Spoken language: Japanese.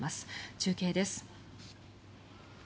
中継です。